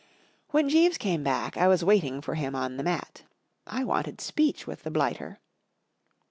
W HEN Jeeves came back, I was waiting for him on the mat. I w'anted speech with the blighter.